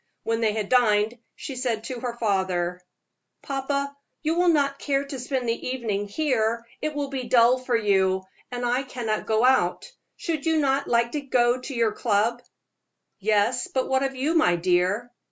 When they had dined she said to her father: "Papa, you will not care to spend the evening here; it will be dull for you, and I cannot go out. Should you not like to go to your club?" "Yes; but what of you, my dear?"